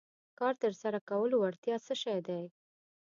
کار تر سره کولو وړتیا څه شی دی.